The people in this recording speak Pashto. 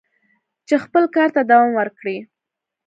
چې خپل کار ته دوام ورکړي."